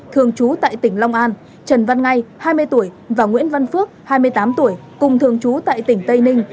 thường trú tại tỉnh long an trần văn ngay hai mươi tuổi và nguyễn văn phước hai mươi tám tuổi cùng thường trú tại tỉnh tây ninh